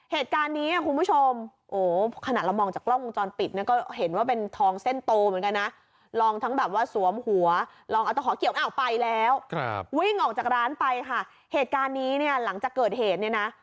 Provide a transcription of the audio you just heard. เหตุการณ์นี้คุณผู้ชมโอ้ขนาดเรามองจากกล้องวงจรปิดเนี่ยก็เห็นว่าเป็นทองเส้นโตเหมือนกันนะลองทั้งแบบว่าสวมหัวลองเอาตะขอเกี่ยวอ้าวไปแล้ววิ่งออกจากร้านไปค่ะเหตุการณ์นี้เนี่ยหลังจากเกิดเหตุเนี่ยนะ